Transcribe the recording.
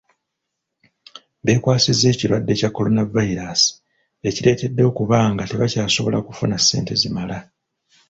Bekwasiza ekirwadde kya coronavirus ekireetedde okuba nga tebakyasobola kufuna sente zimala.